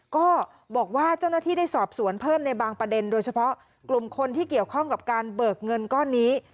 ก็บอกว่าเจ้าหน้าที่ได้สอบสวนเพิ่มในบางประเด็นโดยเฉพาะกลุ่มคนที่เกี่ยวข้องกับการเบิกเงินก้อนนี้